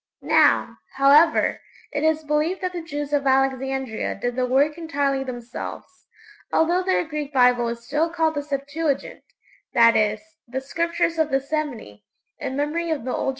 Now, however, it is believed that the Jews of Alexandria did the work entirely themselves, although their Greek Bible is still called the 'Septuagint' that is, 'The Scriptures of the Seventy' in memory of the old tradition.